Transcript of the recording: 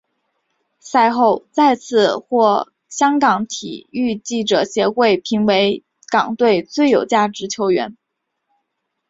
赛后再次获香港体育记者协会评选为港队最有价值球员。